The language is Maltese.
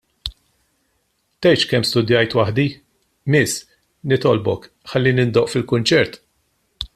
Tgħidx kemm studjajt waħdi, Miss. Nitolbok, ħallini ndoqq fil-kunċert.